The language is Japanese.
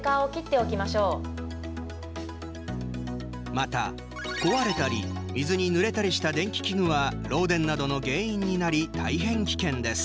また壊れたり水にぬれたりした電気器具は漏電などの原因になり大変危険です。